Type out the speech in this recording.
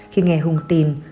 khi nghe hùng tin